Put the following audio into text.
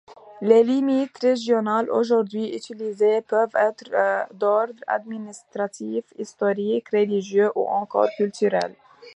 Les limites régionales aujourd'hui utilisées peuvent être d'ordre administratif, historique, religieux ou encore culturel.